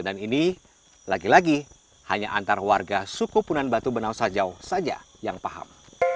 dan ini lagi lagi hanya antar warga suku punan batu benau saja saja yang paham